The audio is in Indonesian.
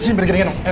sini pergi dengan aku